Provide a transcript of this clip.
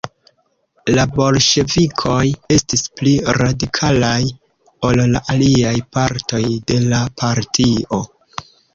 La bolŝevikoj estis pli radikalaj ol la aliaj partoj de la partio.